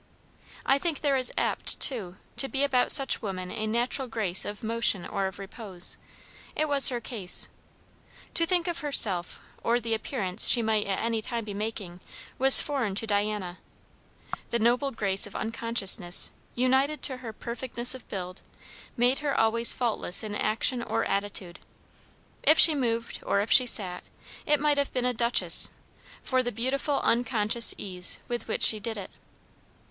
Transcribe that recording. I think there is apt, too, to be about such women a natural grace of motion or of repose; it was her case. To think of herself or the appearance she might at any time be making, was foreign to Diana; the noble grace of unconsciousness, united to her perfectness of build, made her always faultless in action or attitude. If she moved or if she sat, it might have been a duchess, for the beautiful unconscious ease with which she did it.